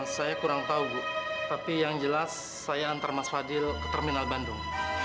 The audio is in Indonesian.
saya kurang tahu bu tapi yang jelas saya antar mas fadil ke terminal bandung